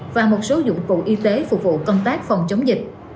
và một số dụng cụ y tế phục vụ công tác phòng chống dịch